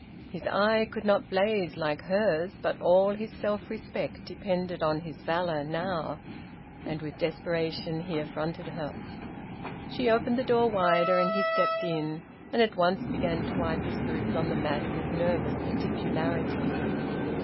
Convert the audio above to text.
His eye could not blaze like hers, but all his self respect depended on his valour now, and with desperation he affronted her. She opened the door wider, and he stepped in, and at once began to wipe his boots on the mat with nervous particularity.